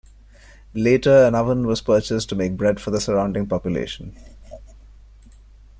Later an oven was purchased to make bread for the surrounding population.